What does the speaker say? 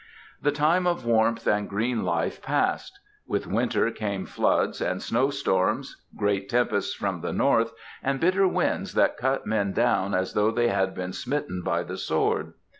The time of warmth and green life passed. With winter came floods and snow storms, great tempests from the north and bitter winds that cut men down as though they had been smitten by the sword.